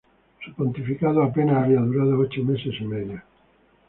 Su pontificado apenas había durado ocho meses y medio.